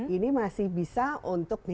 ini masih bisa untuk di